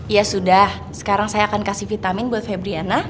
ya sudah sekarang saya akan kasih vitamin buat febriana